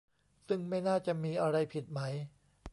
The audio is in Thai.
ซึ่งไม่น่าจะมีอะไรผิดไหม ?